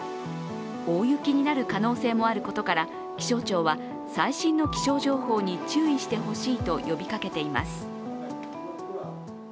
大雪になる可能性もあることから、気象庁は最新の気象情報に注意してほしいと呼びかけています。